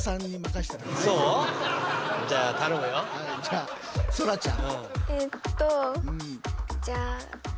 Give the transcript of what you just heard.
じゃあそらちゃん。